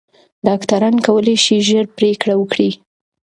ډاکټران کولی شي ژر پریکړه وکړي.